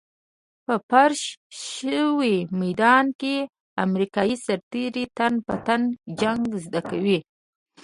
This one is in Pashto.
په فرش شوي ميدان کې امريکايي سرتېرو تن په تن جنګ زده کول.